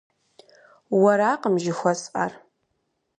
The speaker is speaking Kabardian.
Уэракъым жыхуэсӏэр.